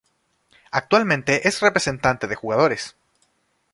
Actualmente es representante de jugadores.